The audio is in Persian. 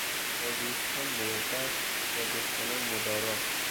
با دوستان مروّت با دشمنان مدارا